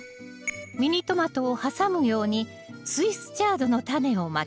ミニトマトを挟むようにスイスチャードのタネをまきます